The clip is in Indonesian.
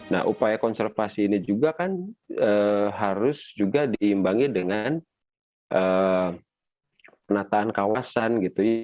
nah upaya konservasi ini juga kan harus juga diimbangi dengan penataan kawasan gitu ya